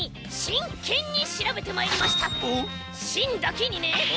「しん」だけにね！